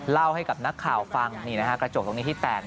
เล่าให้กับนักข่าวฟังกระจกตรงนี้ที่แตก